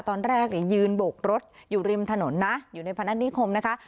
ตอนแรกเนี่ยยืนโบกรถอยู่ริมถนนนะอยู่ในพนัฐนิคมนะคะ